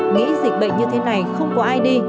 nghĩ dịch bệnh như thế này không có ai đi